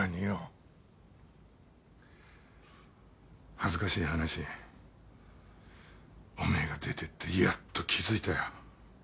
恥ずかしい話おめえが出てってやっと気付いたよ。